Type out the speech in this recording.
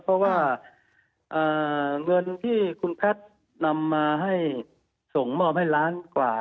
เพราะว่าเงินที่คุณแพทย์นำมาให้ส่งมอบให้ล้านกว่า